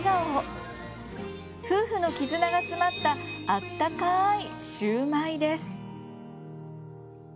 夫婦のきずなが詰まったあったかいシューマイです。